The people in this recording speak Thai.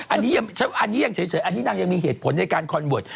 อันนี้ยังเฉยอันนี้นางยังมีเหตุผลในการคอนเวิร์ต